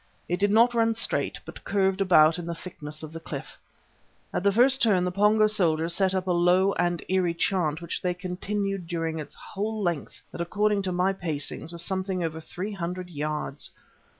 It did not run straight, but curved about in the thickness of the cliff. At the first turn the Pongo soldiers set up a low and eerie chant which they continued during its whole length, that according to my pacings was something over three hundred yards.